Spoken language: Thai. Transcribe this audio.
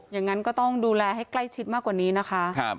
อย่างนั้นก็ต้องดูแลให้ใกล้ชิดมากกว่านี้นะคะ